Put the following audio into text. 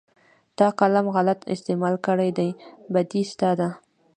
تا قلم غلط استعمال کړى دى بدي ستا ده.